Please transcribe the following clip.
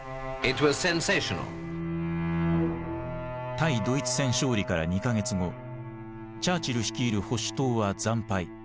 対ドイツ戦勝利から２か月後チャーチル率いる保守党は惨敗。